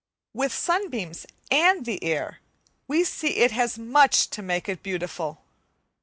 With the sunbeams and the air, we see it has much to make it beautiful.